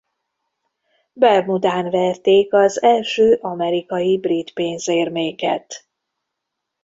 Bermudán verték az első amerikai brit pénzérméket.